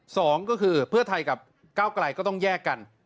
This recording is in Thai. สองก็คือเพื่อไทยกับก้าวไกลก็ต้องแยกกัน